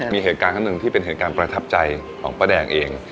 มีเหตุการณ์ข้างหนึ่งที่เป็นเหตุการณ์ประทับใจของป้าแดงเอง